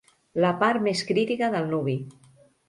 La part més crítica del nuvi.